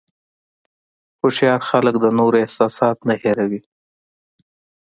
هوښیار خلک د نورو احساسات نه هیروي نه.